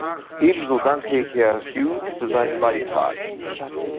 Ebenso danke ich Herr Hughes für seinen Beitrag.